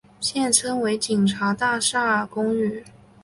现在称为警察大厦公寓。